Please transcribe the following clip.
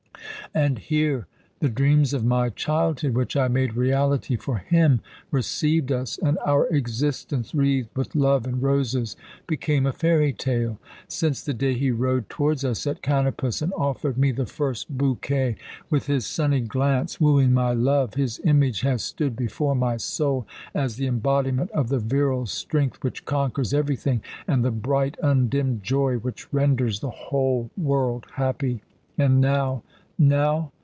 And here! The dreams of my childhood, which I made reality for him, received us, and our existence, wreathed with love and roses, became a fairy tale. Since the day he rode towards us at Kanopus and offered me the first bouquet, with his sunny glance wooing my love, his image has stood before my soul as the embodiment of the virile strength which conquers everything, and the bright, undimmed joy which renders the whole world happy. And now now?